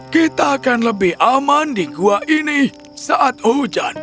kita akan lebih aman di gua ini saat hujan